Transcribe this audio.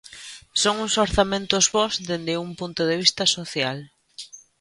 Son uns orzamentos bos dende un punto de vista social.